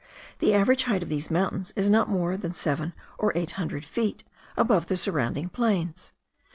The average height of these mountains is not more than seven or eight hundred feet above the surrounding plains.